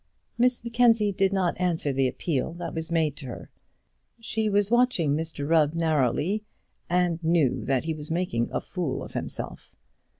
Miss Mackenzie did not answer the appeal that was made to her. She was watching Mr Rubb narrowly, and knew that he was making a fool of himself.